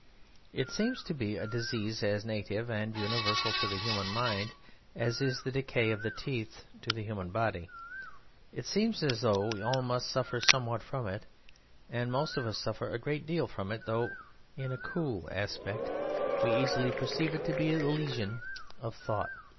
It seems to be a disease as native and universal to the human mind as is the decay of the teeth to the human body. It seems as though we all must suffer somewhat from it, and most of us suffer a great deal from it, though in a cool aspect we easily perceive it to be a lesion of thought.